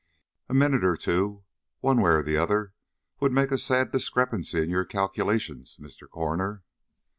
A minute or two one way or the other would make a sad discrepancy in your calculations, Mr. Coroner."